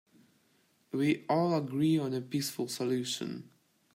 We all agree on a peaceful solution.